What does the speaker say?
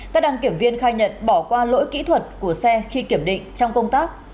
các đăng kiểm viên khai nhận bỏ qua lỗi kỹ thuật của xe khi kiểm định trong công tác